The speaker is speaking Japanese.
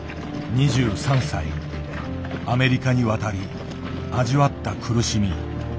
２３歳アメリカに渡り味わった苦しみ。